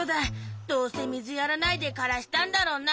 どうせみずやらないでからしたんだろうな。